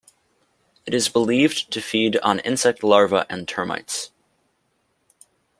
It is believed to feed on insect larvae and termites.